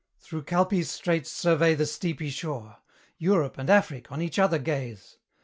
Through Calpe's straits survey the steepy shore; Europe and Afric, on each other gaze!